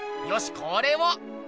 よしこれを。